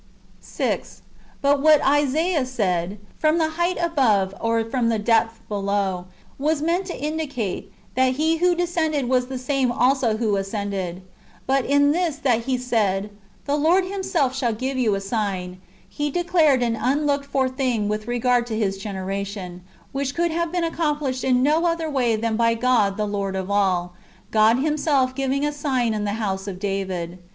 6. But what Isaiah said, " From the height above, or from the depth beneath," "' w^as meant to indicate, that '' He who descended was the same also who ascended." ^ But in this that he said, " The Lord Himself shall give you a sign," he declared an unlooked for thing with regard to His generation, which could have been accomplished in no other way than by God the Lord of all, God Himself giving a sign in the house of David.